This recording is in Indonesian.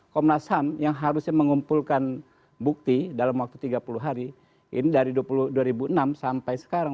komnas ham yang harusnya mengumpulkan bukti dalam waktu tiga puluh hari ini dari dua ribu enam sampai sekarang